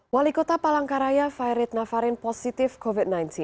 wali kota palangkaraya fairit nafarin positif covid sembilan belas